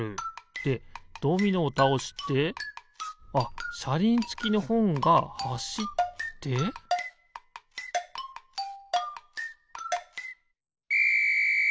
でドミノをたおしてあっしゃりんつきのほんがはしってピッ！